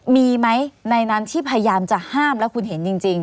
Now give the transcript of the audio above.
มีไหมในนั้นที่พยายามจะห้ามแล้วคุณเห็นจริง